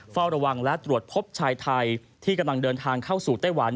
เฝ้าระวังและตรวจพบชายไทยที่กำลังเดินทางเข้าสู่ไต้หวัน